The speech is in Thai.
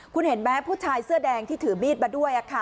คุณเห็นไหมผู้ชายเสื้อแดงที่ถือมีดมาด้วย